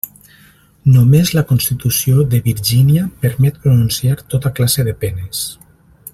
Només la Constitució de Virgínia permet pronunciar tota classe de penes.